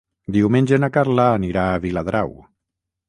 Diumenge na Carla anirà a Viladrau.